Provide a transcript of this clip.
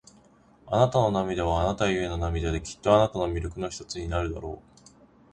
あなたの涙は、あなたゆえの涙で、きっとあなたの魅力の一つになるだろう。